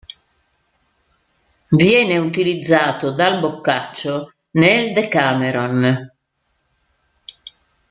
Viene utilizzato dal Boccaccio nel "Decameron".